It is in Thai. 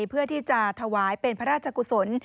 เพื่อที่จะถวายเป็นพระราชกุศล